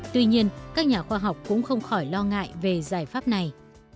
tuy nhiên các nhà khoa học cũng không khỏi lo ngại về giải pháp này